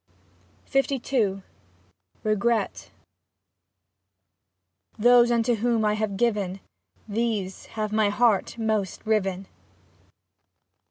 54 Lii REGRET Those unto whom I have given. These have my heart most riven.